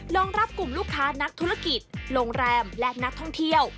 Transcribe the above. รองรับกลุ่มลูกค้านักธุรกิจโรงแรมและนักท่องเที่ยว